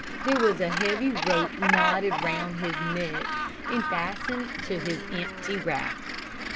There was a heavy rope knotted round his neck, and fastened to his empty rack.